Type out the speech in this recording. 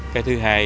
cái thứ hai